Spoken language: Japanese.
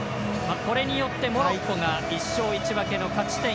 これによって、モロッコが１勝１分けの勝ち点４。